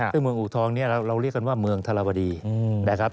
ซึ่งเมืองอูทองนี้เราเรียกกันว่าเมืองธรวดีนะครับ